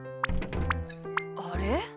あれ？